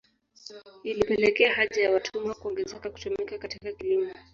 Ilipelekea haja ya watumwa kuongezeka kutumika katika kilimo